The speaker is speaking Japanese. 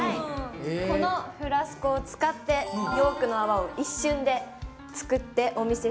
このフラスコを使って多くの泡を一瞬で作ってお見せしたいと思います。